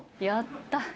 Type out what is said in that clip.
やった！